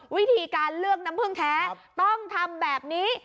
วิธีการเลือกน้ำผึ้งแท้ต้องทำแบบนี้